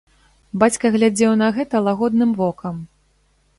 Бацька глядзеў на гэта лагодным вокам.